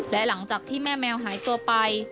และหลังจากที่แม่แมวหายตัวไป